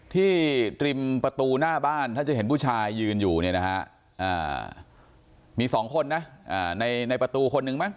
ที่ริมประตูหน้าบ้านถ้าจะเห็นผู้ชายยืนอยู่เนี่ยนะฮะมี๒คนนะในประตูคนนึงมั้